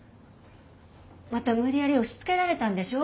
また無理やり押しつけられたんでしょ？